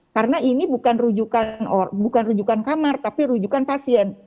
karena ini bukan rujukan kamar tapi rujukan pasien